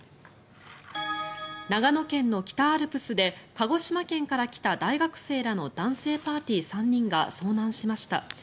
長野県の北アルプスで鹿児島県から来た大学生らの男性パーティー３人が遭難しました。